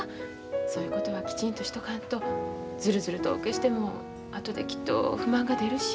そういうことはきちんとしとかんとズルズルとお受けしても後できっと不満が出るし。